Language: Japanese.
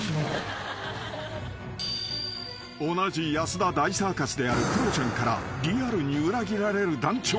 ［同じ安田大サーカスであるクロちゃんからリアルに裏切られる団長］